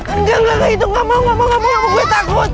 engga engga itu engga mau engga mau gue takut